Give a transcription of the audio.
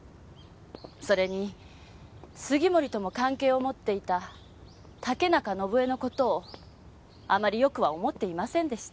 それに杉森とも関係を持っていた竹中伸枝の事をあまりよくは思っていませんでした。